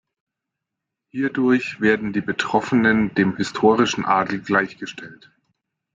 Hierdurch werden die Betroffenen dem historischen Adel gleichgestellt.